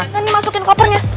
nanti masukin kopernya